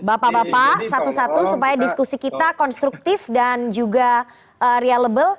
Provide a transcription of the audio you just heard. bapak bapak satu satu supaya diskusi kita konstruktif dan juga realable